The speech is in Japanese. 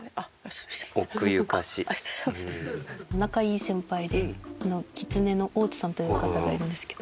仲いい先輩できつねの大津さんという方がいるんですけど。